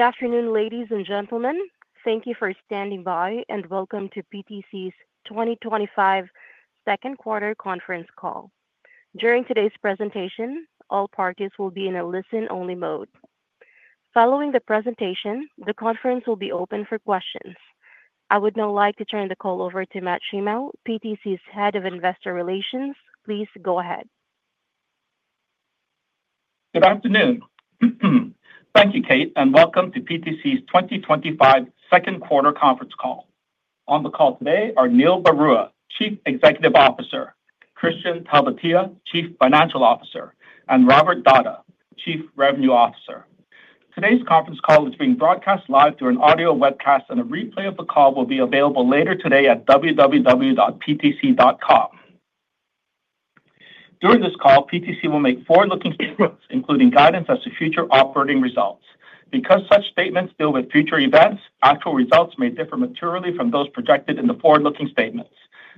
Good afternoon, ladies and gentlemen. Thank you for standing by, and welcome to PTC's 2025 second quarter conference call. During today's presentation, all parties will be in a listen-only mode. Following the presentation, the conference will be open for questions. I would now like to turn the call over to Matt Shimao, PTC's Head of Investor Relations. Please go ahead. Good afternoon. Thank you, Kate, and welcome to PTC's 2025 second quarter conference call. On the call today are Neil Barua, Chief Executive Officer; Kristian Talvitie, Chief Financial Officer; and Robert Dahdah, Chief Revenue Officer. Today's conference call is being broadcast live through an audio webcast, and a replay of the call will be available later today at www.ptc.com. During this call, PTC will make forward-looking statements, including guidance as to future operating results. Because such statements deal with future events, actual results may differ materially from those projected in the forward-looking statements.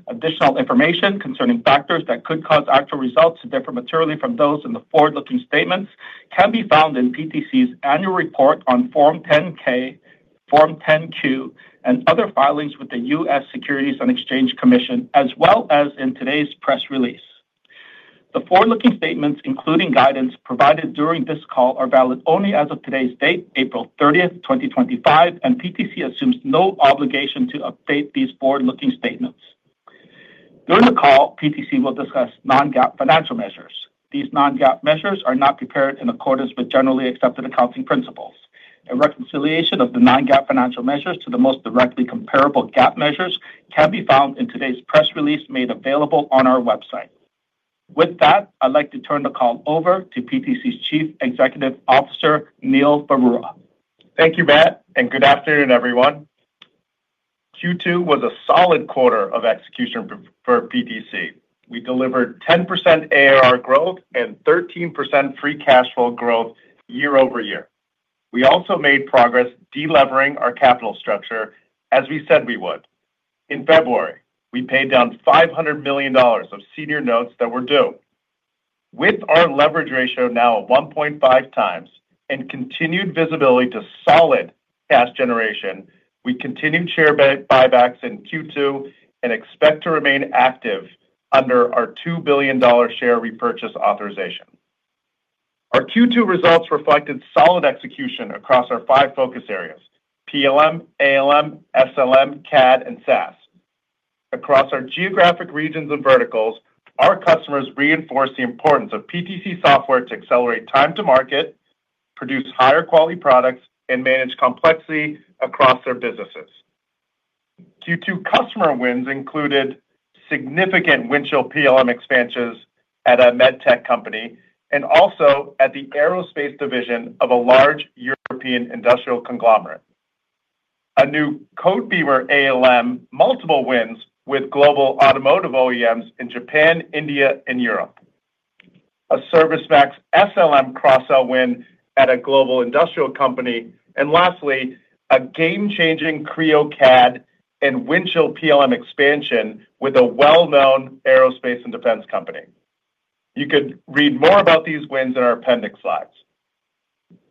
Additional information concerning factors that could cause actual results to differ materially from those in the forward-looking statements can be found in PTC's annual report on Form 10-K, Form 10-Q, and other filings with the U.S. Securities and Exchange Commission, as well as in today's press release. The forward-looking statements, including guidance provided during this call, are valid only as of today's date, April 30th, 2025, and PTC assumes no obligation to update these forward-looking statements. During the call, PTC will discuss non-GAAP financial measures. These non-GAAP measures are not prepared in accordance with generally accepted accounting principles. A reconciliation of the non-GAAP financial measures to the most directly comparable GAAP measures can be found in today's press release made available on our website. With that, I'd like to turn the call over to PTC's Chief Executive Officer, Neil Barua. Thank you, Matt, and good afternoon, everyone. Q2 was a solid quarter of execution for PTC. We delivered 10% ARR growth and 13% free cash flow growth year over year. We also made progress delevering our capital structure as we said we would. In February, we paid down $500 million of senior notes that were due. With our leverage ratio now at 1.5x and continued visibility to solid cash generation, we continued share buybacks in Q2 and expect to remain active under our $2 billion share repurchase authorization. Our Q2 results reflected solid execution across our five focus areas: PLM, ALM, SLM, CAD, and SaaS. Across our geographic regions and verticals, our customers reinforced the importance of PTC software to accelerate time to market, produce higher quality products, and manage complexity across their businesses. Q2 customer wins included significant Windchill PLM expansions at a medtech company and also at the aerospace division of a large European industrial conglomerate. A new Codebeamer ALM, multiple wins with global automotive OEMs in Japan, India, and Europe. A ServiceMax SLM cross-sell win at a global industrial company. Lastly, a game-changing Creo CAD and Windchill PLM expansion with a well-known aerospace and defense company. You could read more about these wins in our appendix slides.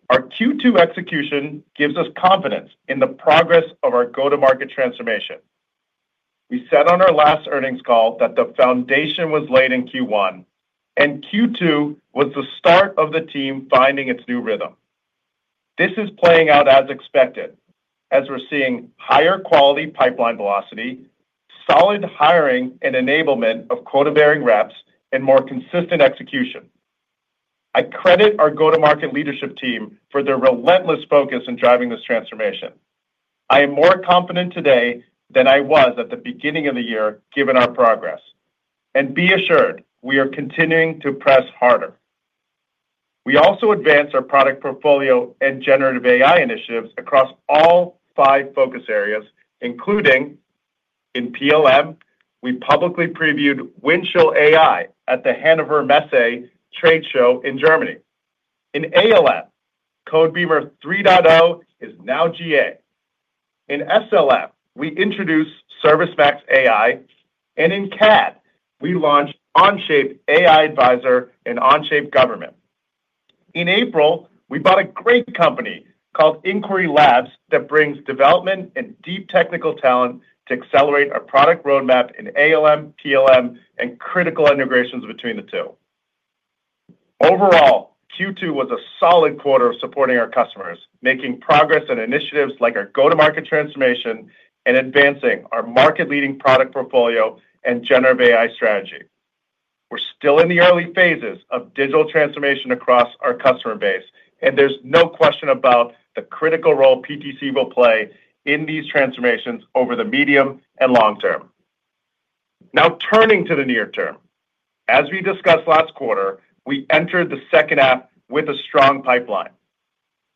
Our Q2 execution gives us confidence in the progress of our go-to-market transformation. We said on our last earnings call that the foundation was laid in Q1, and Q2 was the start of the team finding its new rhythm. This is playing out as expected, as we're seeing higher quality pipeline velocity, solid hiring and enablement of quota-bearing reps, and more consistent execution. I credit our go-to-market leadership team for their relentless focus in driving this transformation. I am more confident today than I was at the beginning of the year, given our progress. Be assured, we are continuing to press harder. We also advanced our product portfolio and generative AI initiatives across all five focus areas, including in PLM, we publicly previewed Windchill AI at the Hannover Messe trade show in Germany. In ALM, Codebeamer 3.0 is now GA. In SLM, we introduced ServiceMax AI, and in CAD, we launched Onshape AI Advisor and Onshape Government. In April, we bought a great company called IncQuery Labs that brings development and deep technical talent to accelerate our product roadmap in ALM, PLM, and critical integrations between the two. Overall, Q2 was a solid quarter of supporting our customers, making progress on initiatives like our go-to-market transformation and advancing our market-leading product portfolio and generative AI strategy. We're still in the early phases of digital transformation across our customer base, and there's no question about the critical role PTC will play in these transformations over the medium and long term. Now, turning to the near term, as we discussed last quarter, we entered the second half with a strong pipeline.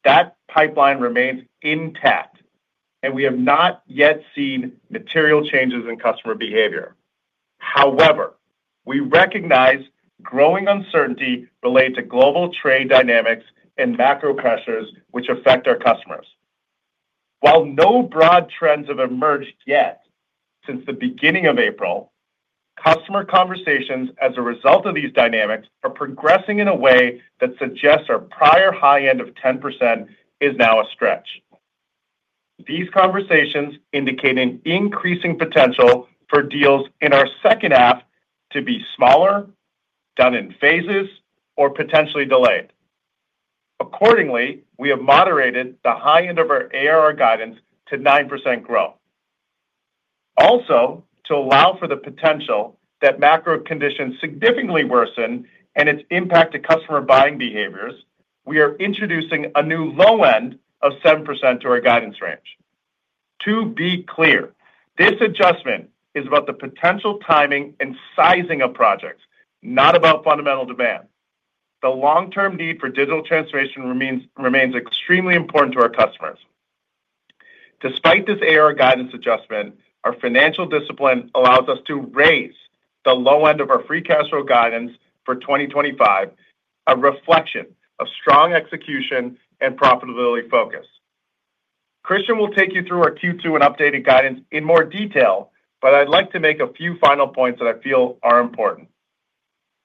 That pipeline remains intact, and we have not yet seen material changes in customer behavior. However, we recognize growing uncertainty related to global trade dynamics and macro pressures, which affect our customers. While no broad trends have emerged yet since the beginning of April, customer conversations as a result of these dynamics are progressing in a way that suggests our prior high end of 10% is now a stretch. These conversations indicate an increasing potential for deals in our second half to be smaller, done in phases, or potentially delayed. Accordingly, we have moderated the high end of our ARR guidance to 9% growth. Also, to allow for the potential that macro conditions significantly worsen and its impact to customer buying behaviors, we are introducing a new low end of 7% to our guidance range. To be clear, this adjustment is about the potential timing and sizing of projects, not about fundamental demand. The long-term need for digital transformation remains extremely important to our customers. Despite this ARR guidance adjustment, our financial discipline allows us to raise the low end of our free cash flow guidance for 2025, a reflection of strong execution and profitability focus. Kristian will take you through our Q2 and updated guidance in more detail, but I'd like to make a few final points that I feel are important.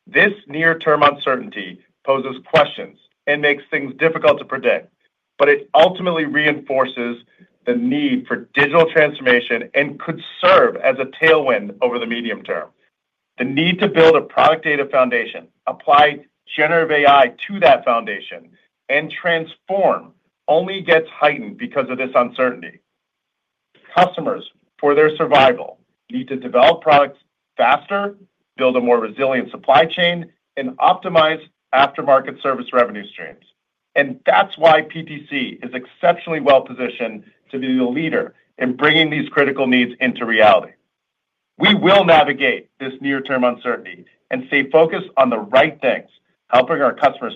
This near-term uncertainty poses questions and makes things difficult to predict, but it ultimately reinforces the need for digital transformation and could serve as a tailwind over the medium term. The need to build a product data foundation, apply generative AI to that foundation, and transform only gets heightened because of this uncertainty. Customers, for their survival, need to develop products faster, build a more resilient supply chain, and optimize aftermarket service revenue streams. That is why PTC is exceptionally well-positioned to be the leader in bringing these critical needs into reality. We will navigate this near-term uncertainty and stay focused on the right things, helping our customers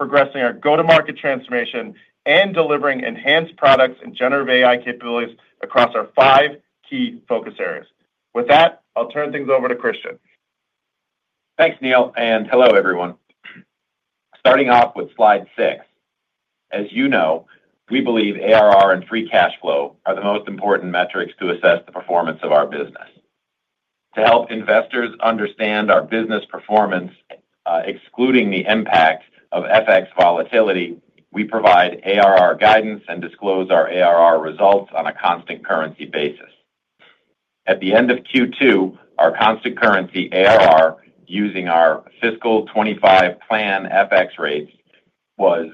transform, progressing our go-to-market transformation, and delivering enhanced products and generative AI capabilities across our five key focus areas. With that, I'll turn things over to Kristian. Thanks, Neil, and hello, everyone. Starting off with slide six. As you know, we believe ARR and free cash flow are the most important metrics to assess the performance of our business. To help investors understand our business performance, excluding the impact of FX volatility, we provide ARR guidance and disclose our ARR results on a constant currency basis. At the end of Q2, our constant currency ARR using our fiscal 2025 plan FX rates was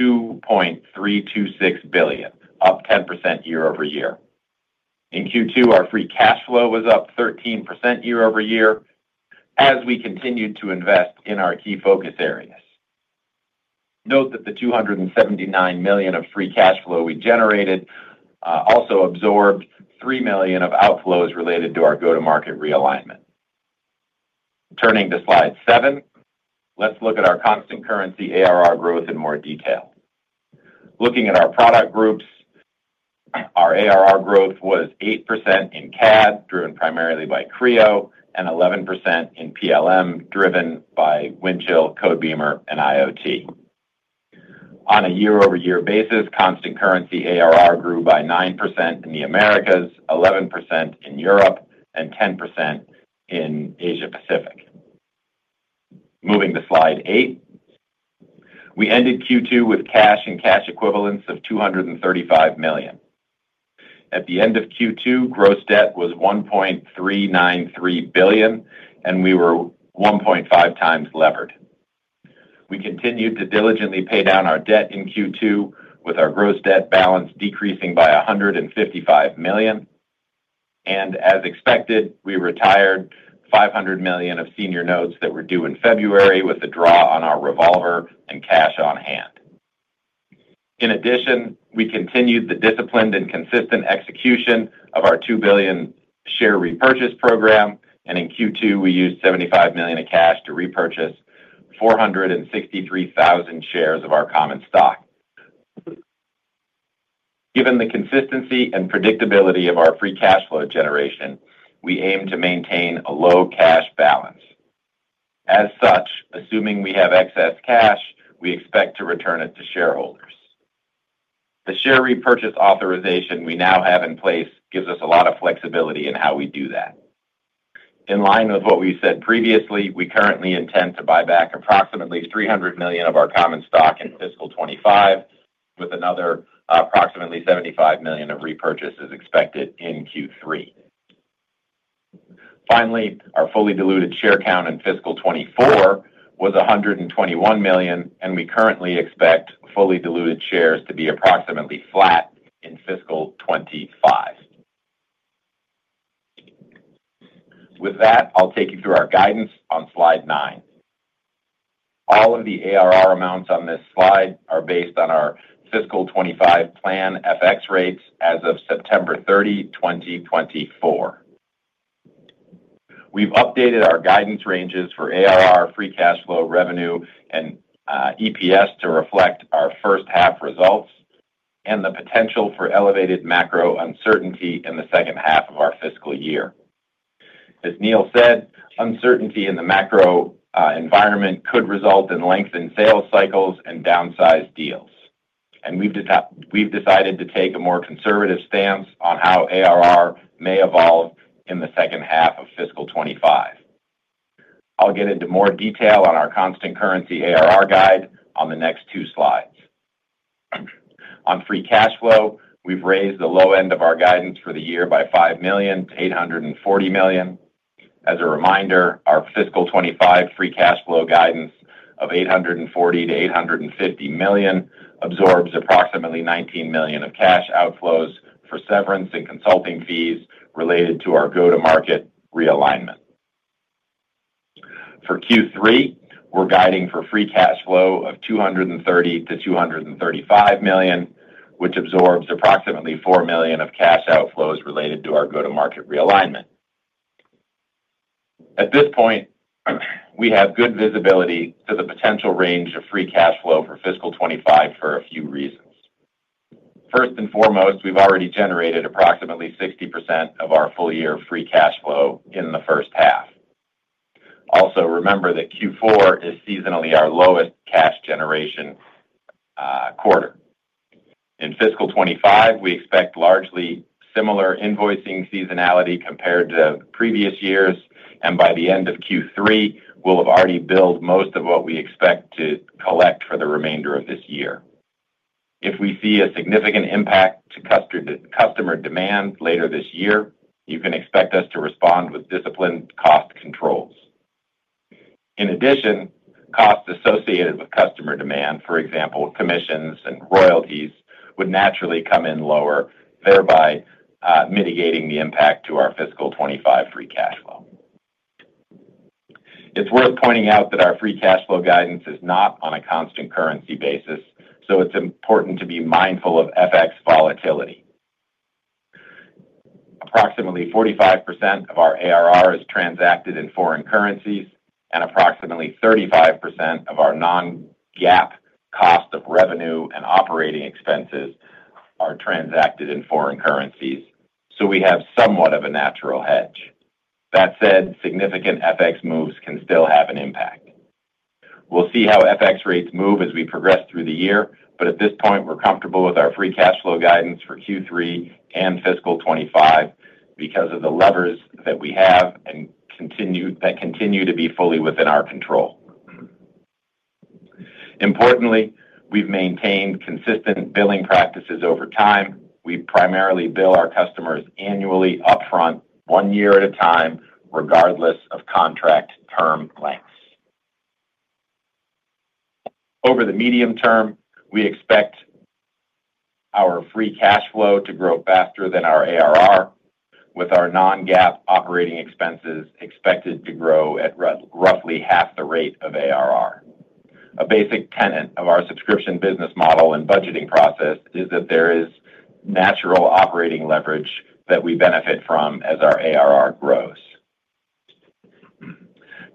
$2.326 billion, up 10% year over year. In Q2, our free cash flow was up 13% year over year as we continued to invest in our key focus areas. Note that the $279 million of free cash flow we generated also absorbed $3 million of outflows related to our go-to-market realignment. Turning to slide seven, let's look at our constant currency ARR growth in more detail. Looking at our product groups, our ARR growth was 8% in CAD, driven primarily by Creo, and 11% in PLM, driven by Windchill, Codebeamer, and IoT. On a year-over-year basis, constant currency ARR grew by 9% in the Americas, 11% in Europe, and 10% in Asia-Pacific. Moving to slide eight, we ended Q2 with cash and cash equivalents of $235 million. At the end of Q2, gross debt was $1.393 billion, and we were 1.5x levered. We continued to diligently pay down our debt in Q2, with our gross debt balance decreasing by $155 million. As expected, we retired $500 million of senior notes that were due in February with a draw on our revolver and cash on hand. In addition, we continued the disciplined and consistent execution of our $2 billion share repurchase program, and in Q2, we used $75 million of cash to repurchase 463,000 shares of our common stock. Given the consistency and predictability of our free cash flow generation, we aim to maintain a low cash balance. As such, assuming we have excess cash, we expect to return it to shareholders. The share repurchase authorization we now have in place gives us a lot of flexibility in how we do that. In line with what we said previously, we currently intend to buy back approximately $300 million of our common stock in fiscal 2025, with another approximately $75 million of repurchases expected in Q3. Finally, our fully diluted share count in fiscal 2024 was 121 million, and we currently expect fully diluted shares to be approximately flat in fiscal 2025. With that, I'll take you through our guidance on slide nine. All of the ARR amounts on this slide are based on our fiscal 2025 plan FX rates as of September 30, 2024. We've updated our guidance ranges for ARR, free cash flow, revenue, and EPS to reflect our first half results and the potential for elevated macro uncertainty in the second half of our fiscal year. As Neil said, uncertainty in the macro environment could result in lengthened sales cycles and downsized deals. We've decided to take a more conservative stance on how ARR may evolve in the second half of fiscal 2025. I'll get into more detail on our constant currency ARR guide on the next two slides. On free cash flow, we've raised the low end of our guidance for the year by $5 million to $840 million. As a reminder, our fiscal 2025 free cash flow guidance of $840 million-$850 million absorbs approximately $19 million of cash outflows for severance and consulting fees related to our go-to-market realignment. For Q3, we're guiding for free cash flow of $230 million-$235 million, which absorbs approximately $4 million of cash outflows related to our go-to-market realignment. At this point, we have good visibility to the potential range of free cash flow for fiscal 2025 for a few reasons. First and foremost, we've already generated approximately 60% of our full-year free cash flow in the first half. Also, remember that Q4 is seasonally our lowest cash generation quarter. In fiscal 2025, we expect largely similar invoicing seasonality compared to previous years, and by the end of Q3, we'll have already billed most of what we expect to collect for the remainder of this year. If we see a significant impact to customer demand later this year, you can expect us to respond with disciplined cost controls. In addition, costs associated with customer demand, for example, commissions and royalties, would naturally come in lower, thereby mitigating the impact to our fiscal 2025 free cash flow. It's worth pointing out that our free cash flow guidance is not on a constant currency basis, so it's important to be mindful of FX volatility. Approximately 45% of our ARR is transacted in foreign currencies, and approximately 35% of our non-GAAP cost of revenue and operating expenses are transacted in foreign currencies, so we have somewhat of a natural hedge. That said, significant FX moves can still have an impact. We'll see how FX rates move as we progress through the year, but at this point, we're comfortable with our free cash flow guidance for Q3 and fiscal 2025 because of the levers that we have that continue to be fully within our control. Importantly, we've maintained consistent billing practices over time. We primarily bill our customers annually upfront, one year at a time, regardless of contract term lengths. Over the medium term, we expect our free cash flow to grow faster than our ARR, with our non-GAAP operating expenses expected to grow at roughly half the rate of ARR. A basic tenet of our subscription business model and budgeting process is that there is natural operating leverage that we benefit from as our ARR grows.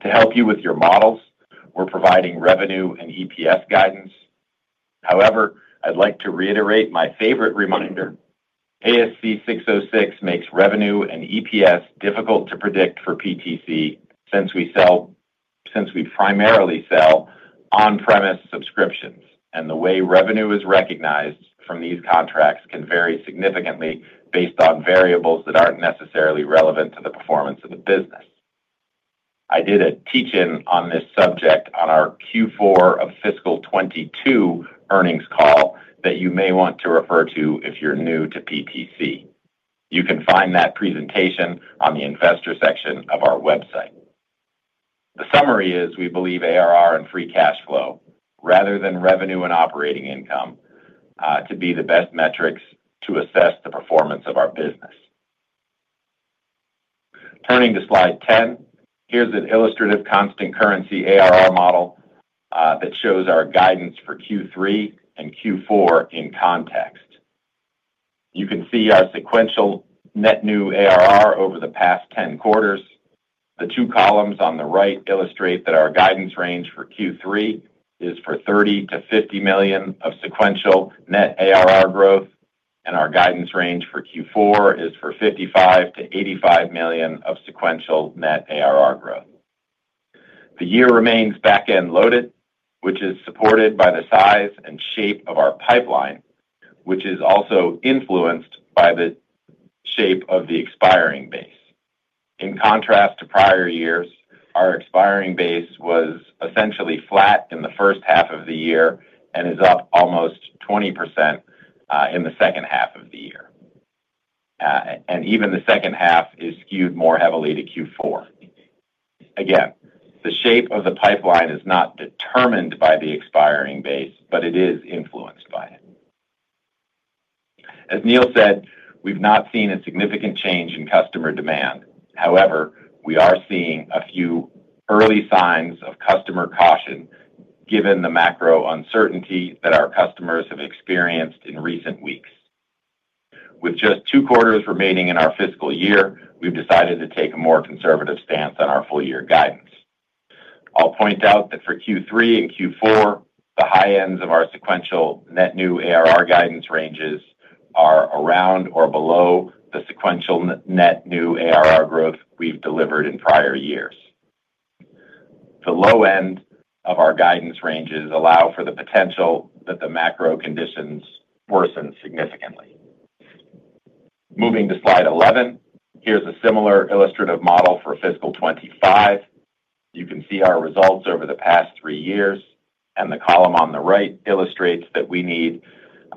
To help you with your models, we're providing revenue and EPS guidance. However, I'd like to reiterate my favorite reminder. ASC 606 makes revenue and EPS difficult to predict for PTC since we primarily sell on-premise subscriptions, and the way revenue is recognized from these contracts can vary significantly based on variables that aren't necessarily relevant to the performance of the business. I did a teach-in on this subject on our Q4 of fiscal 2022 earnings call that you may want to refer to if you're new to PTC. You can find that presentation on the investor section of our website. The summary is we believe ARR and free cash flow, rather than revenue and operating income, to be the best metrics to assess the performance of our business. Turning to slide 10, here's an illustrative constant currency ARR model that shows our guidance for Q3 and Q4 in context. You can see our sequential net new ARR over the past 10 quarters. The two columns on the right illustrate that our guidance range for Q3 is for $30 million-$50 million of sequential net ARR growth, and our guidance range for Q4 is for $55 million-$85 million of sequential net ARR growth. The year remains back-end loaded, which is supported by the size and shape of our pipeline, which is also influenced by the shape of the expiring base. In contrast to prior years, our expiring base was essentially flat in the first half of the year and is up almost 20% in the second half of the year. Even the second half is skewed more heavily to Q4. Again, the shape of the pipeline is not determined by the expiring base, but it is influenced by it. As Neil said, we've not seen a significant change in customer demand. However, we are seeing a few early signs of customer caution given the macro uncertainty that our customers have experienced in recent weeks. With just two quarters remaining in our fiscal year, we've decided to take a more conservative stance on our full-year guidance. I'll point out that for Q3 and Q4, the high ends of our sequential net new ARR guidance ranges are around or below the sequential net new ARR growth we've delivered in prior years. The low end of our guidance ranges allow for the potential that the macro conditions worsen significantly. Moving to slide 11, here's a similar illustrative model for fiscal 2025. You can see our results over the past three years, and the column on the right illustrates that we need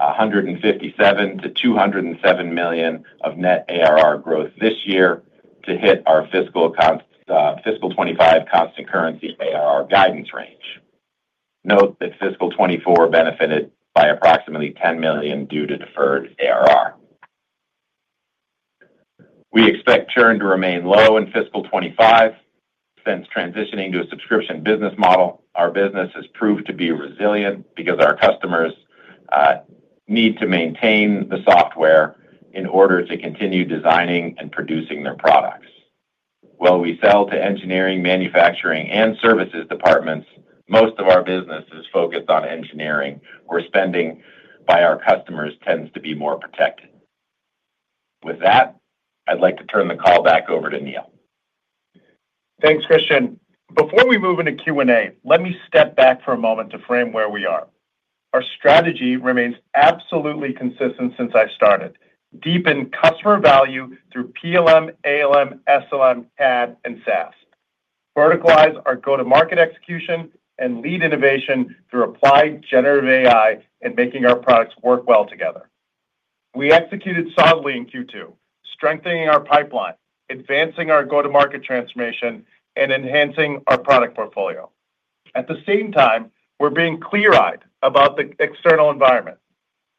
$157 million-$207 million of net ARR growth this year to hit our fiscal 2025 constant currency ARR guidance range. Note that fiscal 2024 benefited by approximately $10 million due to deferred ARR. We expect churn to remain low in fiscal 2025. Since transitioning to a subscription business model, our business has proved to be resilient because our customers need to maintain the software in order to continue designing and producing their products. While we sell to engineering, manufacturing, and services departments, most of our business is focused on engineering, where spending by our customers tends to be more protected. With that, I'd like to turn the call back over to Neil. Thanks, Kristian. Before we move into Q&A, let me step back for a moment to frame where we are. Our strategy remains absolutely consistent since I started. Deepen customer value through PLM, ALM, SLM, CAD, and SaaS. Verticalize our go-to-market execution and lead innovation through applied generative AI and making our products work well together. We executed solidly in Q2, strengthening our pipeline, advancing our go-to-market transformation, and enhancing our product portfolio. At the same time, we're being clear-eyed about the external environment.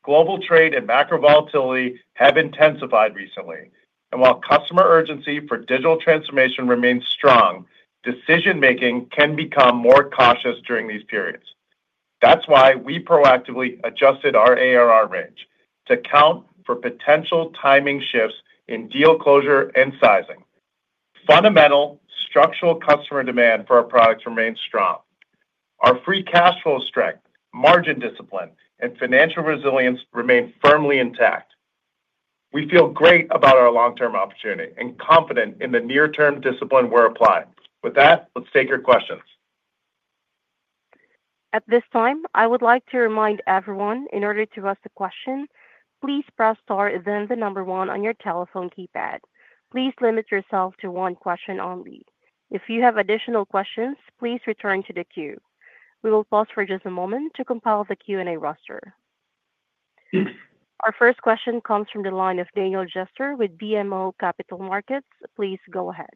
Global trade and macro volatility have intensified recently, and while customer urgency for digital transformation remains strong, decision-making can become more cautious during these periods. That is why we proactively adjusted our ARR range to account for potential timing shifts in deal closure and sizing. Fundamental structural customer demand for our products remains strong. Our free cash flow strength, margin discipline, and financial resilience remain firmly intact. We feel great about our long-term opportunity and confident in the near-term discipline we're applying. With that, let's take your questions. At this time, I would like to remind everyone, in order to ask a question, please press star and then the number one on your telephone keypad. Please limit yourself to one question only. If you have additional questions, please return to the queue. We will pause for just a moment to compile the Q&A roster. Our first question comes from the line of Daniel Jester with BMO Capital Markets. Please go ahead.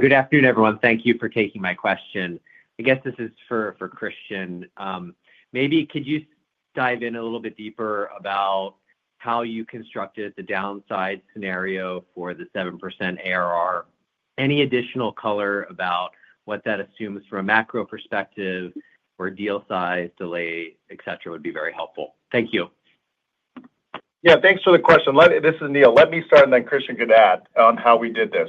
Good afternoon, everyone. Thank you for taking my question. I guess this is for Kristian. Maybe could you dive in a little bit deeper about how you constructed the downside scenario for the 7% ARR? Any additional color about what that assumes from a macro perspective or deal size, delay, etc., would be very helpful. Thank you. Yeah, thanks for the question. This is Neil. Let me start, and then Kristian can add on how we did this.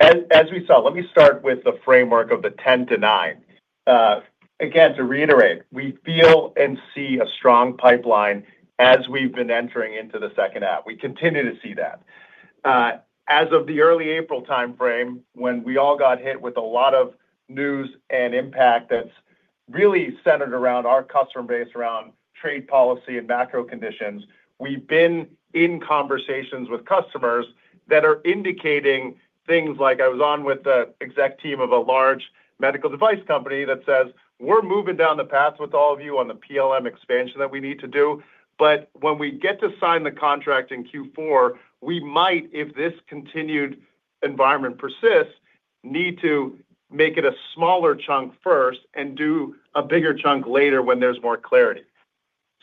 As we saw, let me start with the framework of the 10 to 9. Again, to reiterate, we feel and see a strong pipeline as we've been entering into the second half. We continue to see that. As of the early April timeframe, when we all got hit with a lot of news and impact that's really centered around our customer base, around trade policy and macro conditions, we've been in conversations with customers that are indicating things like, I was on with the exec team of a large medical device company that says, "We're moving down the path with all of you on the PLM expansion that we need to do, but when we get to sign the contract in Q4, we might, if this continued environment persists, need to make it a smaller chunk first and do a bigger chunk later when there's more clarity."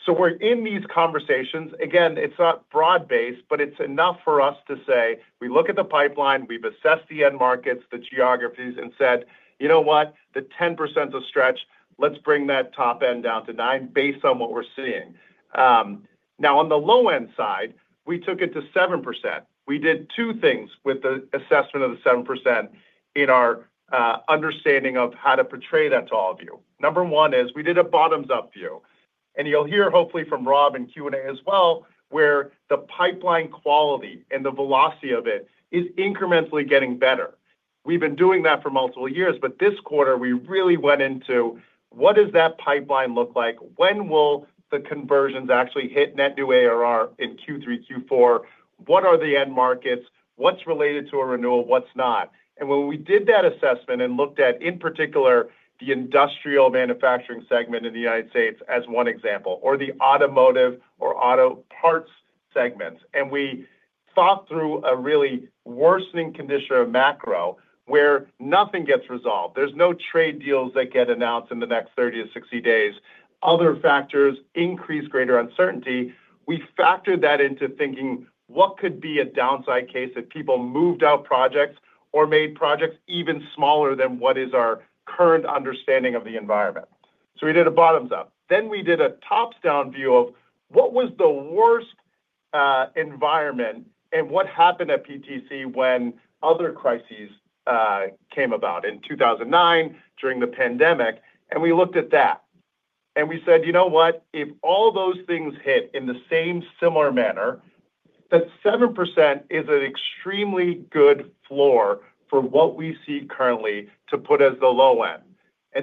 We are in these conversations. Again, it's not broad-based, but it's enough for us to say, "We look at the pipeline. We've assessed the end markets, the geographies, and said, 'You know what? The 10% is a stretch.' Let's bring that top end down to 9% based on what we're seeing.' Now, on the low-end side, we took it to 7%. We did two things with the assessment of the 7% in our understanding of how to portray that to all of you. Number one is we did a bottoms-up view. You'll hear, hopefully, from Rob in Q&A as well, where the pipeline quality and the velocity of it is incrementally getting better. We've been doing that for multiple years, but this quarter, we really went into, "What does that pipeline look like? When will the conversions actually hit net new ARR in Q3, Q4? What are the end markets? What's related to a renewal? What's not? When we did that assessment and looked at, in particular, the industrial manufacturing segment in the United States as one example, or the automotive or auto parts segments, and we thought through a really worsening condition of macro where nothing gets resolved. There's no trade deals that get announced in the next 30-60 days. Other factors increase greater uncertainty. We factored that into thinking, "What could be a downside case if people moved out projects or made projects even smaller than what is our current understanding of the environment?" We did a bottoms-up. We did a top-down view of, "What was the worst environment and what happened at PTC when other crises came about in 2009 during the pandemic?" We looked at that. We said, "You know what? If all those things hit in the same similar manner, that 7% is an extremely good floor for what we see currently to put as the low end.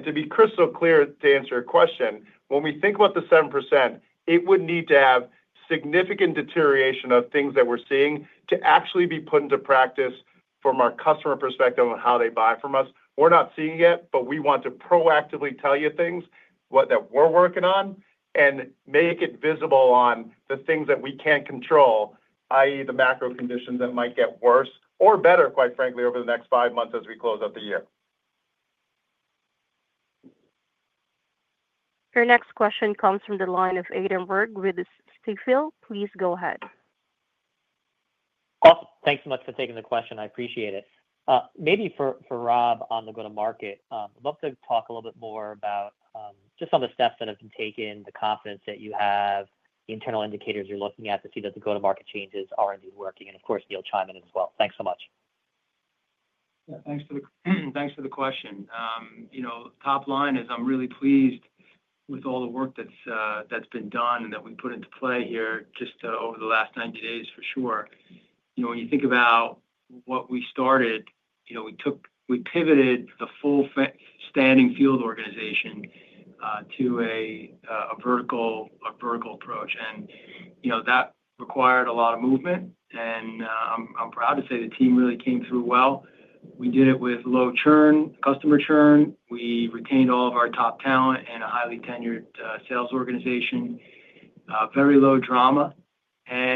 To be crystal clear to answer your question, when we think about the 7%, it would need to have significant deterioration of things that we are seeing to actually be put into practice from our customer perspective on how they buy from us. We are not seeing it, but we want to proactively tell you things that we are working on and make it visible on the things that we cannot control, i.e., the macro conditions that might get worse or better, quite frankly, over the next five months as we close out the year. Our next question comes from the line of Adam Borg with Stifel. Please go ahead. Awesome. Thanks so much for taking the question. I appreciate it. Maybe for Rob on the go-to-market, I'd love to talk a little bit more about just some of the steps that have been taken, the confidence that you have, the internal indicators you're looking at to see that the go-to-market changes are indeed working. Of course, Neil chime in as well. Thanks so much. Yeah, thanks for the question. Top line is I'm really pleased with all the work that's been done and that we put into play here just over the last 90 days, for sure. When you think about what we started, we pivoted the full-standing field organization to a vertical approach. That required a lot of movement. I'm proud to say the team really came through well. We did it with low churn, customer churn. We retained all of our top talent and a highly tenured sales organization. Very low drama.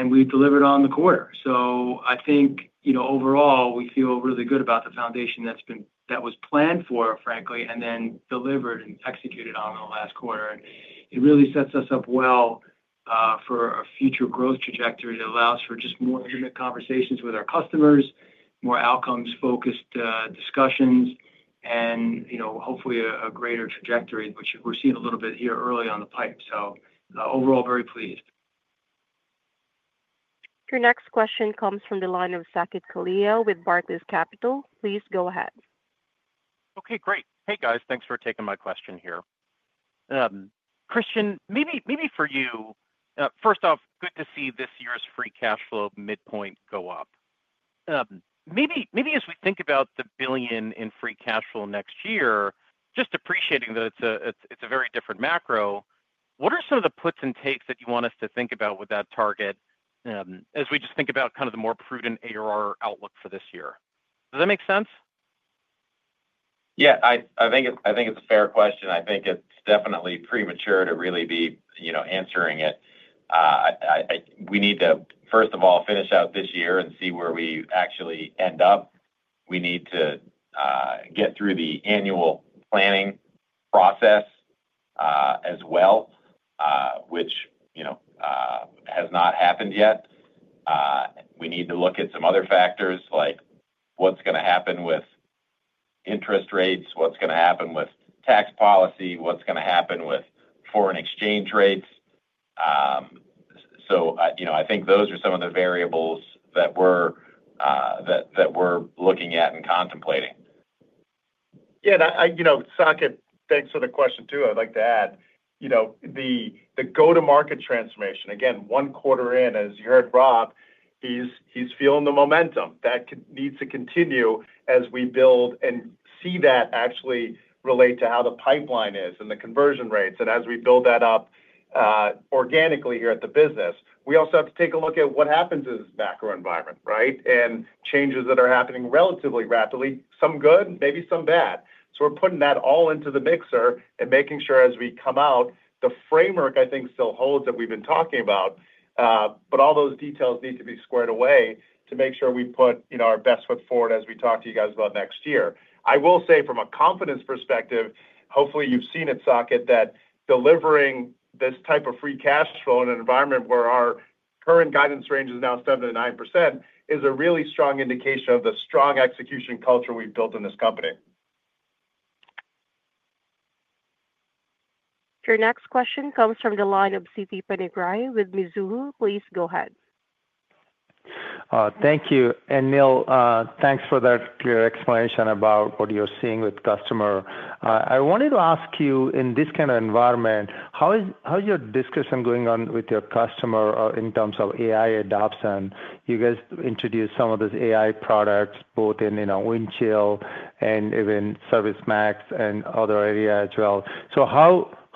We delivered on the quarter. I think overall, we feel really good about the foundation that was planned for, frankly, and then delivered and executed on in the last quarter. It really sets us up well for a future growth trajectory that allows for just more intimate conversations with our customers, more outcomes-focused discussions, and hopefully a greater trajectory, which we're seeing a little bit here early on the pipe. Overall, very pleased. Our next question comes from the line of Saket Kalia with Barclays Capital. Please go ahead. Okay, great. Hey, guys. Thanks for taking my question here. Kristian, maybe for you, first off, good to see this year's free cash flow midpoint go up. Maybe as we think about the billion in free cash flow next year, just appreciating that it's a very different macro, what are some of the puts and takes that you want us to think about with that target as we just think about kind of the more prudent ARR outlook for this year? Does that make sense? Yeah, I think it's a fair question. I think it's definitely premature to really be answering it. We need to, first of all, finish out this year and see where we actually end up. We need to get through the annual planning process as well, which has not happened yet. We need to look at some other factors like what's going to happen with interest rates, what's going to happen with tax policy, what's going to happen with foreign exchange rates. I think those are some of the variables that we're looking at and contemplating. Yeah, Saket, thanks for the question too. I'd like to add the go-to-market transformation. Again, one quarter in, as you heard Rob, he's feeling the momentum. That needs to continue as we build and see that actually relate to how the pipeline is and the conversion rates. As we build that up organically here at the business, we also have to take a look at what happens in this macro environment, right, and changes that are happening relatively rapidly, some good, maybe some bad. We are putting that all into the mixer and making sure as we come out, the framework, I think, still holds that we've been talking about. All those details need to be squared away to make sure we put our best foot forward as we talk to you guys about next year. I will say from a confidence perspective, hopefully you've seen it, Saket, that delivering this type of free cash flow in an environment where our current guidance range is now 7%-9% is a really strong indication of the strong execution culture we've built in this company. Our next question comes from the line of Siti Panigrahi with Mizuho. Please go ahead. Thank you. Neil, thanks for that clear explanation about what you're seeing with customer. I wanted to ask you, in this kind of environment, how is your discussion going on with your customer in terms of AI adoption? You guys introduced some of those AI products both in Windchill and even ServiceMax and other areas as well.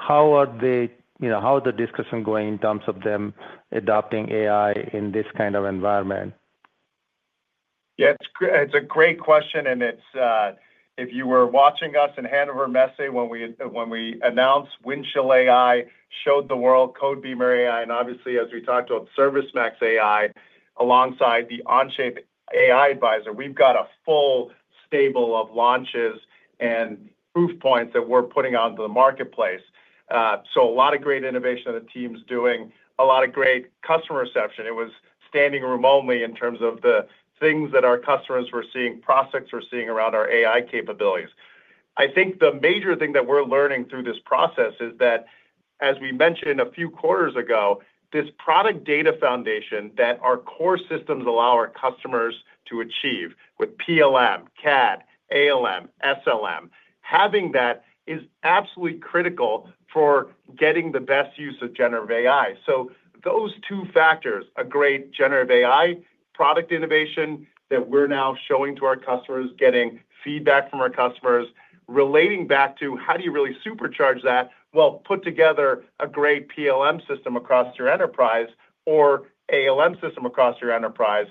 How are they, how is the discussion going in terms of them adopting AI in this kind of environment? Yeah, it's a great question. If you were watching us in Hannover Messe when we announced Windchill AI, showed the world Codebeamer AI, and obviously, as we talked about ServiceMax AI alongside the Onshape AI Advisor, we've got a full stable of launches and proof points that we're putting out into the marketplace. A lot of great innovation that the team's doing, a lot of great customer reception. It was standing room only in terms of the things that our customers were seeing, prospects were seeing around our AI capabilities. I think the major thing that we're learning through this process is that, as we mentioned a few quarters ago, this product data foundation that our core systems allow our customers to achieve with PLM, CAD, ALM, SLM, having that is absolutely critical for getting the best use of generative AI. Those two factors, a great generative AI product innovation that we're now showing to our customers, getting feedback from our customers, relating back to how do you really supercharge that while put together a great PLM system across your enterprise or ALM system across your enterprise,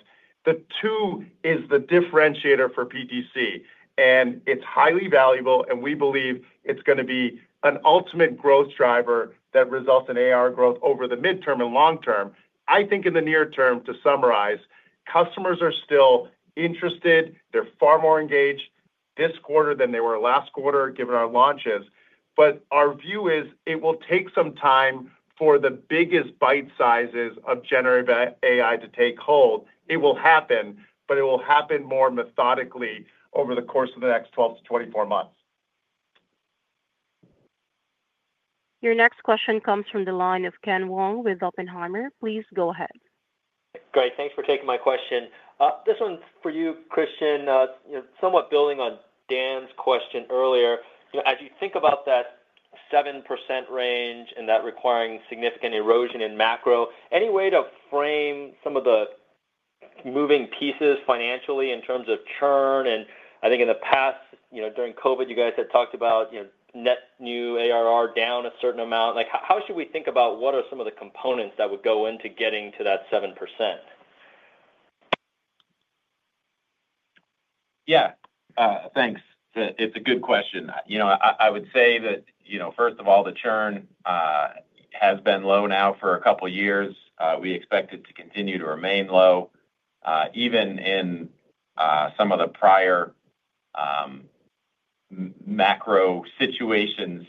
the two is the differentiator for PTC. It is highly valuable, and we believe it's going to be an ultimate growth driver that results in ARR growth over the midterm and long term. I think in the near term, to summarize, customers are still interested. They're far more engaged this quarter than they were last quarter given our launches. Our view is it will take some time for the biggest bite sizes of generative AI to take hold. It will happen, but it will happen more methodically over the course of the next 12 to 24 months. Your next question comes from the line of Ken Wong with Oppenheimer. Please go ahead. Great. Thanks for taking my question. This one's for you, Kristian. Somewhat building on Dan's question earlier, as you think about that 7% range and that requiring significant erosion in macro, any way to frame some of the moving pieces financially in terms of churn? And I think in the past, during COVID, you guys had talked about net new ARR down a certain amount. How should we think about what are some of the components that would go into getting to that 7%? Yeah, thanks. It's a good question. I would say that, first of all, the churn has been low now for a couple of years. We expect it to continue to remain low. Even in some of the prior macro situations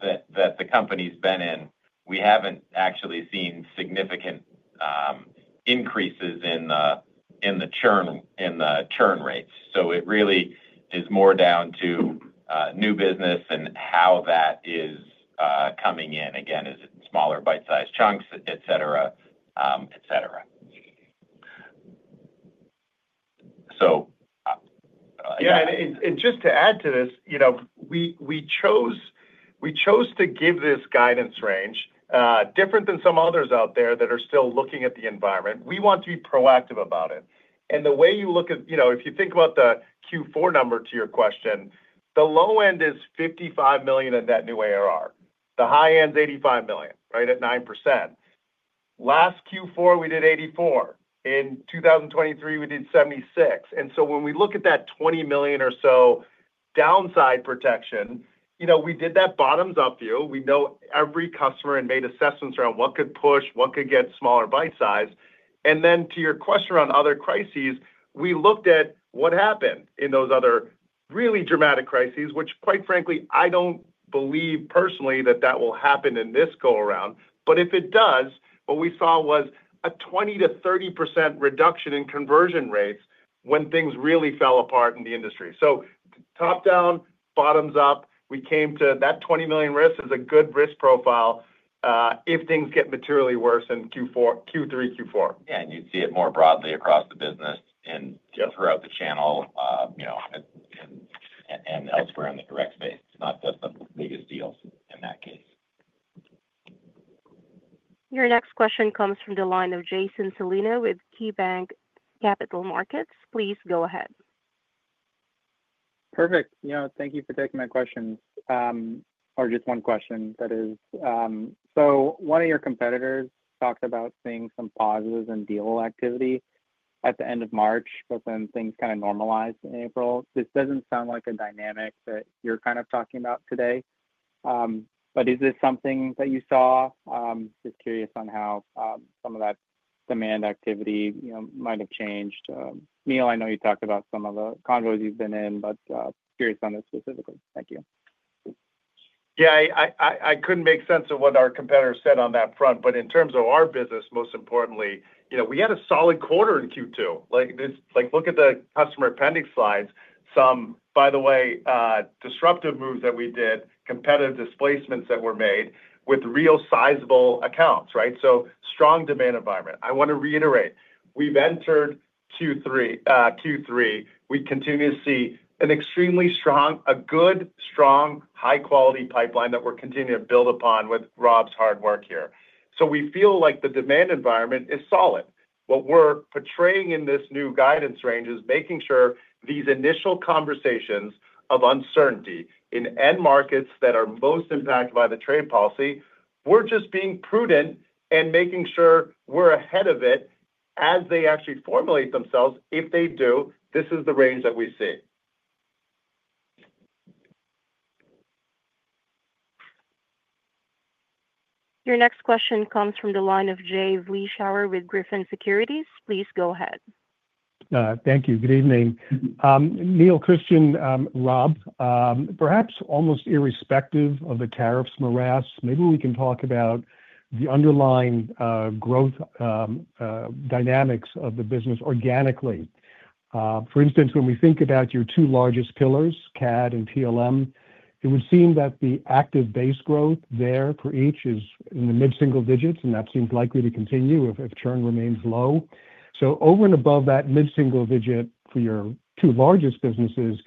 that the company's been in, we haven't actually seen significant increases in the churn rates. It really is more down to new business and how that is coming in. Again, is it smaller bite size chunks, etc., etc. Yeah, just to add to this, we chose to give this guidance range different than some others out there that are still looking at the environment. We want to be proactive about it. The way you look at it, if you think about the Q4 number to your question, the low end is $55 million in net new ARR. The high end's $85 million, right, at 9%. Last Q4, we did $84 million. In 2023, we did $76 million. When we look at that $20 million or so downside protection, we did that bottoms-up view. We know every customer and made assessments around what could push, what could get smaller bite size. To your question around other crises, we looked at what happened in those other really dramatic crises, which, quite frankly, I don't believe personally that that will happen in this go-around. If it does, what we saw was a 20-30% reduction in conversion rates when things really fell apart in the industry. Top down, bottoms up, we came to that $20 million risk as a good risk profile if things get materially worse in Q3, Q4. Yeah, and you'd see it more broadly across the business and throughout the channel and elsewhere in the direct space. It's not just the biggest deals in that case. Your next question comes from the line of Jason Celino with KeyBank Capital Markets. Please go ahead. Perfect. Thank you for taking my questions. Or just one question that is, one of your competitors talked about seeing some pauses in deal activity at the end of March, but then things kind of normalized in April. This does not sound like a dynamic that you are kind of talking about today. Is this something that you saw? Just curious on how some of that demand activity might have changed. Neil, I know you talked about some of the convos you have been in, but curious on this specifically. Thank you. Yeah, I couldn't make sense of what our competitors said on that front. In terms of our business, most importantly, we had a solid quarter in Q2. Look at the customer appendix slides. Some, by the way, disruptive moves that we did, competitive displacements that were made with real sizable accounts, right? Strong demand environment. I want to reiterate, we've entered Q3. We continue to see an extremely strong, a good, strong, high-quality pipeline that we're continuing to build upon with Rob's hard work here. We feel like the demand environment is solid. What we're portraying in this new guidance range is making sure these initial conversations of uncertainty in end markets that are most impacted by the trade policy, we're just being prudent and making sure we're ahead of it as they actually formulate themselves. If they do, this is the range that we see. Your next question comes from the line of Jay Vleeschhouwer with Griffin Securities. Please go ahead. Thank you. Good evening. Neil, Christian, Rob, perhaps almost irrespective of the tariffs morass, maybe we can talk about the underlying growth dynamics of the business organically. For instance, when we think about your two largest pillars, CAD and PLM, it would seem that the active base growth there for each is in the mid-single digits, and that seems likely to continue if churn remains low. Over and above that mid-single digit for your two largest businesses,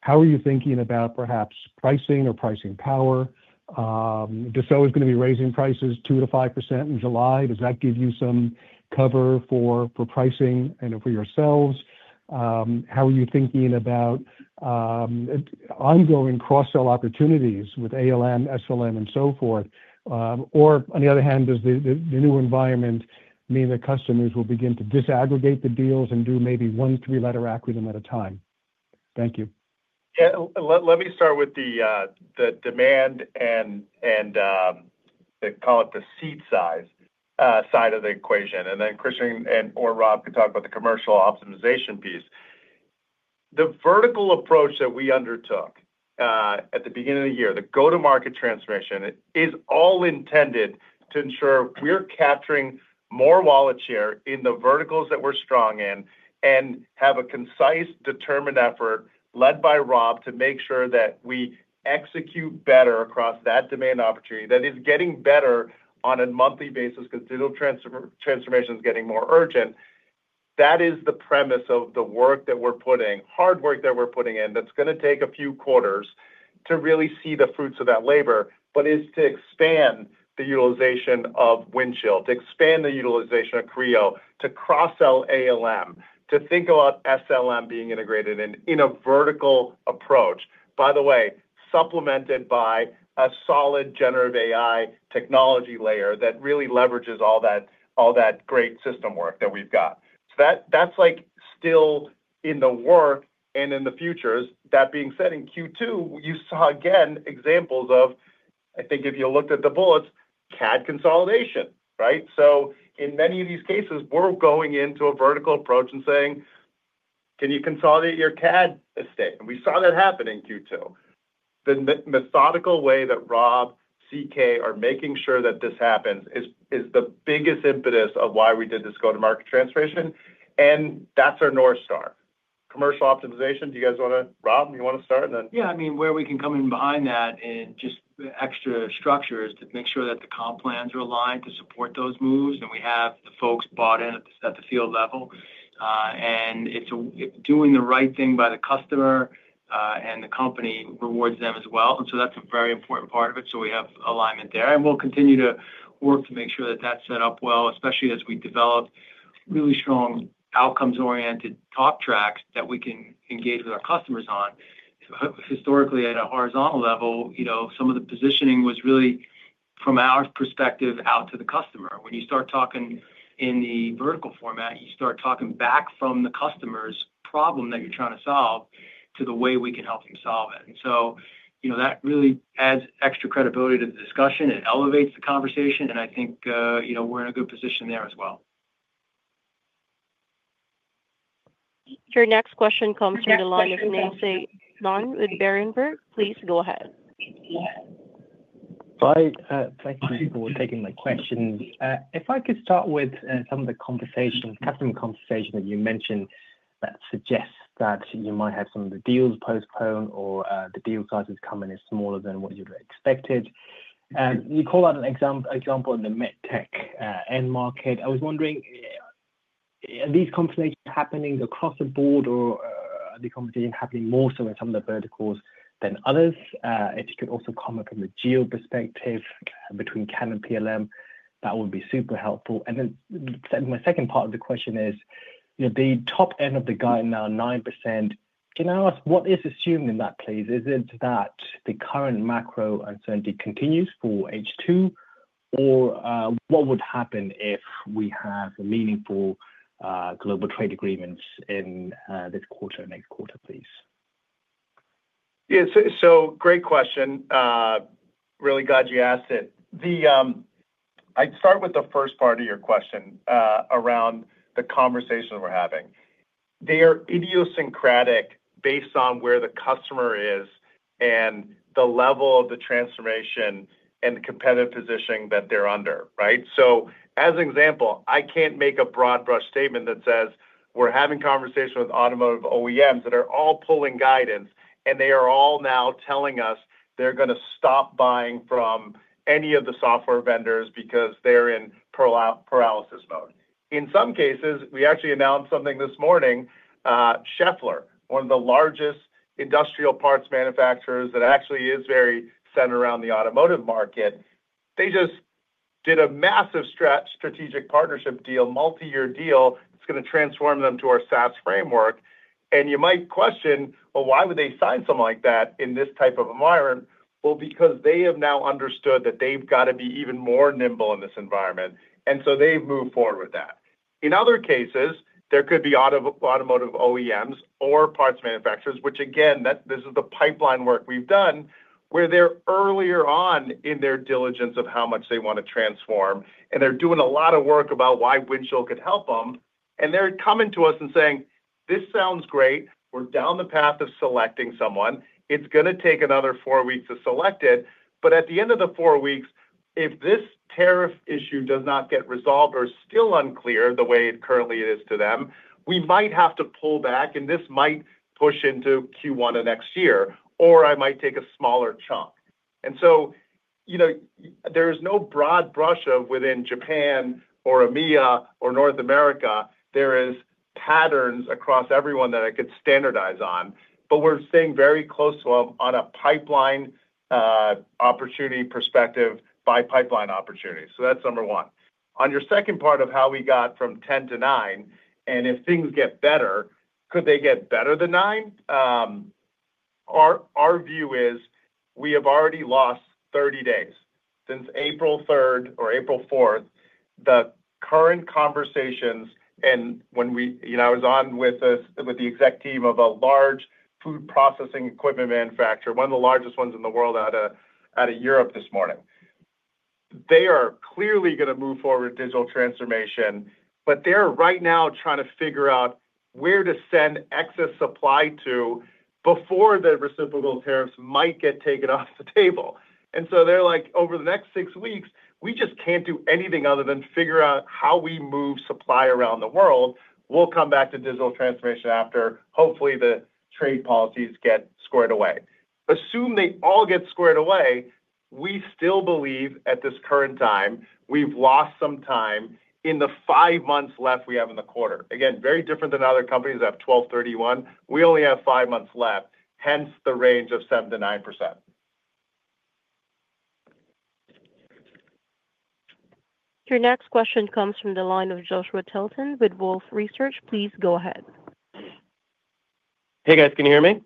how are you thinking about perhaps pricing or pricing power? Dassault is going to be raising prices 2-5% in July. Does that give you some cover for pricing and for yourselves? How are you thinking about ongoing cross-sell opportunities with ALM, SLM, and so forth? Or on the other hand, does the new environment mean that customers will begin to disaggregate the deals and do maybe one three-letter acronym at a time? Thank you. Yeah, let me start with the demand and call it the seat size side of the equation. Then Kristian and or Rob can talk about the commercial optimization piece. The vertical approach that we undertook at the beginning of the year, the go-to-market transformation, is all intended to ensure we're capturing more wallet share in the verticals that we're strong in and have a concise, determined effort led by Rob to make sure that we execute better across that demand opportunity that is getting better on a monthly basis because digital transformation is getting more urgent. That is the premise of the work that we're putting, hard work that we're putting in that's going to take a few quarters to really see the fruits of that labor, but is to expand the utilization of Windchill, to expand the utilization of Creo, to cross-sell ALM, to think about SLM being integrated in a vertical approach, by the way, supplemented by a solid generative AI technology layer that really leverages all that great system work that we've got. That is still in the work and in the futures. That being said, in Q2, you saw again examples of, I think if you looked at the bullets, CAD consolidation, right? In many of these cases, we're going into a vertical approach and saying, "Can you consolidate your CAD estate?" We saw that happen in Q2. The methodical way that Rob, CK are making sure that this happens is the biggest impetus of why we did this go-to-market transformation. That is our North Star. Commercial optimization, do you guys want to, Rob, you want to start? Yeah, I mean, where we can come in behind that and just extra structures to make sure that the comp plans are aligned to support those moves. We have the folks bought in at the field level. It is doing the right thing by the customer, and the company rewards them as well. That is a very important part of it. We have alignment there. We will continue to work to make sure that that is set up well, especially as we develop really strong outcomes-oriented talk tracks that we can engage with our customers on. Historically, at a horizontal level, some of the positioning was really from our perspective out to the customer. When you start talking in the vertical format, you start talking back from the customer's problem that you are trying to solve to the way we can help them solve it. That really adds extra credibility to the discussion. It elevates the conversation. I think we're in a good position there as well. Your next question comes from the line of Nay Soe Naing with Berenberg. Please go ahead. Hi, thank you for taking my questions. If I could start with some of the conversation, customer conversation that you mentioned that suggests that you might have some of the deals postponed or the deal sizes come in as smaller than what you've expected. You call out an example in the medtech end market. I was wondering, are these conversations happening across the board or are the conversations happening more so in some of the verticals than others? If you could also comment from the geo perspective between CAD and PLM, that would be super helpful. My second part of the question is, the top end of the guide now, 9%, can I ask what is assumed in that, please? Is it that the current macro uncertainty continues for H2, or what would happen if we have meaningful global trade agreements in this quarter and next quarter, please? Yeah, great question. Really glad you asked it. I'd start with the first part of your question around the conversation we're having. They are idiosyncratic based on where the customer is and the level of the transformation and the competitive positioning that they're under, right? As an example, I can't make a broad brush statement that says, "We're having conversations with automotive OEMs that are all pulling guidance, and they are all now telling us they're going to stop buying from any of the software vendors because they're in paralysis mode." In some cases, we actually announced something this morning. Schaeffler, one of the largest industrial parts manufacturers that actually is very centered around the automotive market, just did a massive strategic partnership deal, multi-year deal. It's going to transform them to our SaaS framework. You might question, "Well, why would they sign something like that in this type of environment?" because they have now understood that they've got to be even more nimble in this environment. They have moved forward with that. In other cases, there could be automotive OEMs or parts manufacturers, which again, this is the pipeline work we've done, where they're earlier on in their diligence of how much they want to transform. They're doing a lot of work about why Windchill could help them. They're coming to us and saying, "This sounds great. We're down the path of selecting someone. It's going to take another four weeks to select it. At the end of the four weeks, if this tariff issue does not get resolved or is still unclear the way it currently is to them, we might have to pull back. This might push into Q1 of next year, or I might take a smaller chunk. There is no broad brush of within Japan or EMEA or North America. There are patterns across everyone that I could standardize on. We are staying very close to them on a pipeline opportunity perspective by pipeline opportunity. That is number one. On your second part of how we got from 10 to 9, and if things get better, could they get better than 9? Our view is we have already lost 30 days. Since April 3rd or April 4th, the current conversations and when I was on with the exec team of a large food processing equipment manufacturer, one of the largest ones in the world out of Europe this morning, they are clearly going to move forward with digital transformation, but they're right now trying to figure out where to send excess supply to before the reciprocal tariffs might get taken off the table. They are like, "Over the next six weeks, we just can't do anything other than figure out how we move supply around the world. We'll come back to digital transformation after, hopefully, the trade policies get squared away." Assume they all get squared away. We still believe at this current time, we've lost some time in the five months left we have in the quarter. Again, very different than other companies that have 12/31. We only have five months left, hence the range of 7%-9%. Your next question comes from the line of Joshua Tilton with Wolfe Research. Please go ahead. Hey, guys. Can you hear me?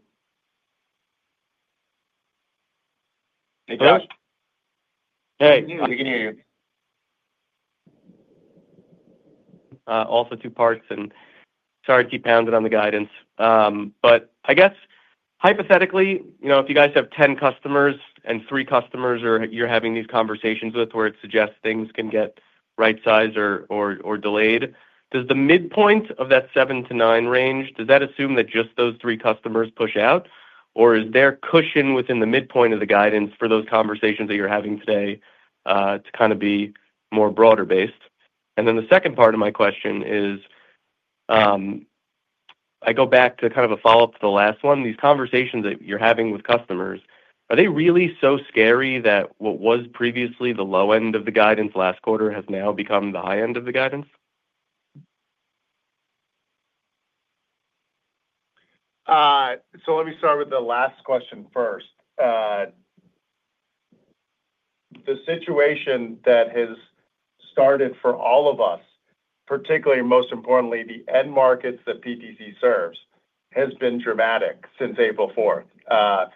Hey, Josh? Hey. Hey, We can hear you. Also two parts. Sorry to keep pounding on the guidance. I guess hypothetically, if you guys have 10 customers and three customers you're having these conversations with where it suggests things can get right-sized or delayed, does the midpoint of that 7-9 range, does that assume that just those three customers push out? Or is there cushion within the midpoint of the guidance for those conversations that you're having today to kind of be more broader-based? The second part of my question is, I go back to kind of a follow-up to the last one. These conversations that you're having with customers, are they really so scary that what was previously the low end of the guidance last quarter has now become the high end of the guidance? Let me start with the last question first. The situation that has started for all of us, particularly most importantly, the end markets that PTC serves has been dramatic since April 4th.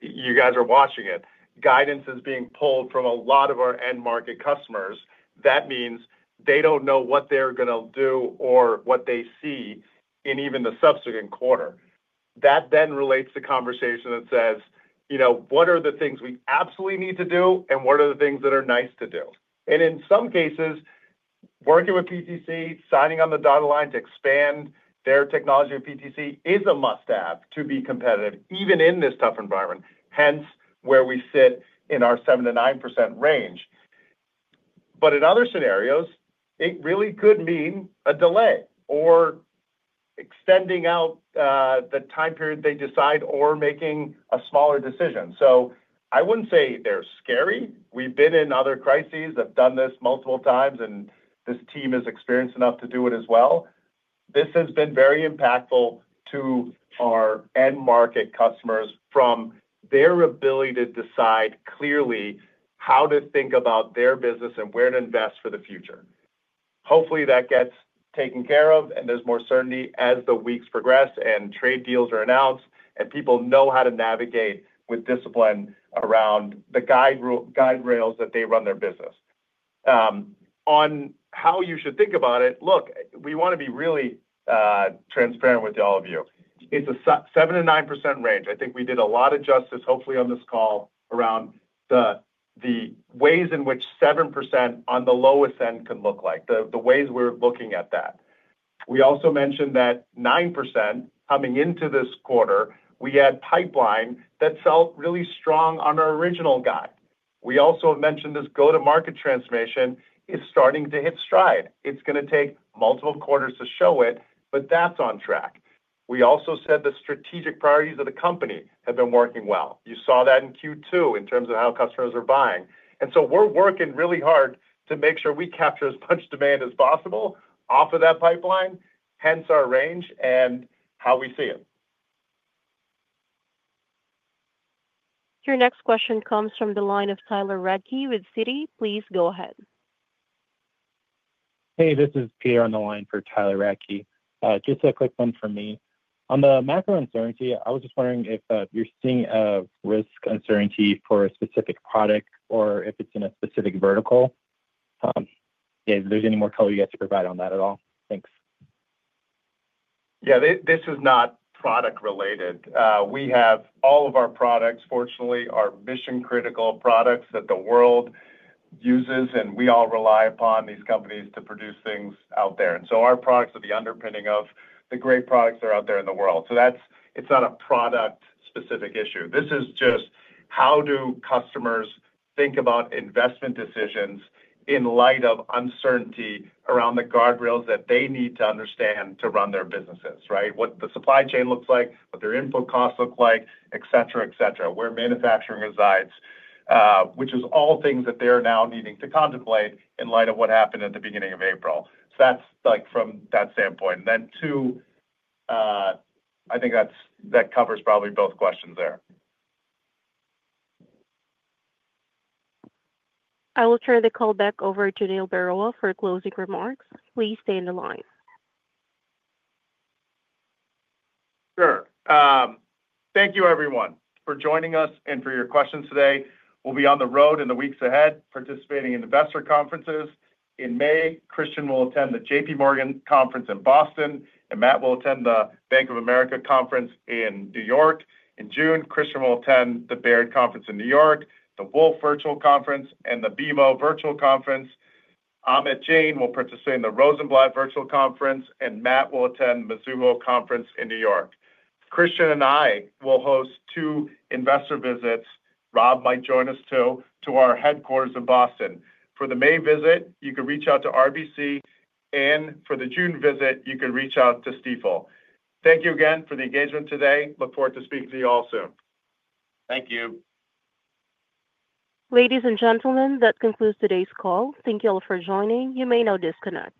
You guys are watching it. Guidance is being pulled from a lot of our end market customers. That means they do not know what they are going to do or what they see in even the subsequent quarter. That then relates to conversation that says, "What are the things we absolutely need to do, and what are the things that are nice to do?" In some cases, working with PTC, signing on the dotted line to expand their technology with PTC is a must-have to be competitive even in this tough environment, hence where we sit in our 7%-9% range. In other scenarios, it really could mean a delay or extending out the time period they decide or making a smaller decision. I wouldn't say they're scary. We've been in other crises. I've done this multiple times, and this team is experienced enough to do it as well. This has been very impactful to our end market customers from their ability to decide clearly how to think about their business and where to invest for the future. Hopefully, that gets taken care of and there's more certainty as the weeks progress and trade deals are announced and people know how to navigate with discipline around the guide rails that they run their business. On how you should think about it, look, we want to be really transparent with all of you. It's a 7%-9% range. I think we did a lot of justice, hopefully, on this call around the ways in which 7% on the lowest end could look like, the ways we're looking at that. We also mentioned that 9% coming into this quarter, we had pipeline that felt really strong on our original guide. We also have mentioned this go-to-market transformation is starting to hit stride. It's going to take multiple quarters to show it, but that's on track. We also said the strategic priorities of the company have been working well. You saw that in Q2 in terms of how customers are buying. We are working really hard to make sure we capture as much demand as possible off of that pipeline, hence our range and how we see it. Your next question comes from the line of Tyler Radke with Citi. Please go ahead. Hey, this is Pierre on the line for Tyler Radke. Just a quick one from me. On the macro uncertainty, I was just wondering if you're seeing a risk uncertainty for a specific product or if it's in a specific vertical. Yeah, if there's any more color you have to provide on that at all. Thanks. Yeah, this is not product-related. We have all of our products, fortunately, are mission-critical products that the world uses, and we all rely upon these companies to produce things out there. Our products are the underpinning of the great products that are out there in the world. It is not a product-specific issue. This is just how do customers think about investment decisions in light of uncertainty around the guardrails that they need to understand to run their businesses, right? What the supply chain looks like, what their input costs look like, etc., etc., where manufacturing resides, which is all things that they are now needing to contemplate in light of what happened at the beginning of April. That is from that standpoint. I think that covers probably both questions there. I will turn the call back over to Neil Barua for closing remarks. Please stay on the line. Sure. Thank you, everyone, for joining us and for your questions today. We will be on the road in the weeks ahead participating in investor conferences. In May, Kristian will attend the J.P. Morgan Conference in Boston, and Matt will attend the Bank of America Conference in New York. In June, Kristian will attend the Baird Conference in New York, the Wolfe Virtual Conference, and the BMO Virtual Conference. Amit Jain will participate in the Rosenblatt Virtual Conference, and Matt will attend the Mizuho Conference in New York. Kristian and I will host two investor visits. Rob might join us too to our headquarters in Boston. For the May visit, you can reach out to RBC. For the June visit, you can reach out to Stifel. Thank you again for the engagement today. Look forward to speaking to you all soon. Thank you. Ladies and gentlemen, that concludes today's call. Thank you all for joining. You may now disconnect.